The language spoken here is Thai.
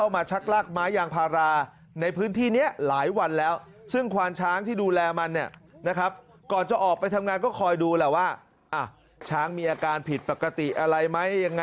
มันผิดปกติอะไรไหมยังไงไหม